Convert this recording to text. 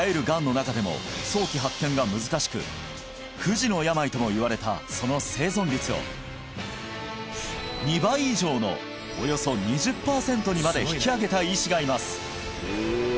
がんの中でも早期発見が難しく不治の病ともいわれたその生存率を２倍以上のおよそ２０パーセントにまで引き上げた医師がいます